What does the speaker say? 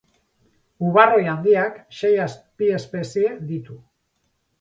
Ubarroi handiak sei azpiespezie ditu.